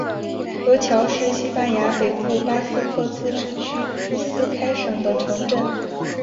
格乔是西班牙北部巴斯克自治区比斯开省的城镇。